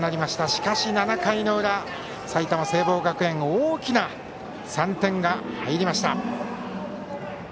しかし７回の裏、埼玉・聖望学園大きな３点が入りました。